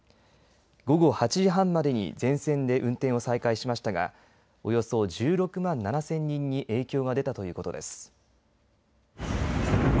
午後８時半までに全線で運転を再開しましたがおよそ１６万７０００人に影響が出たということです。